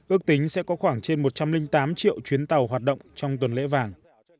ước tính sẽ có khoảng trên một trăm linh tám triệu chuyến tàu hoạt động trong tuần lễ vàng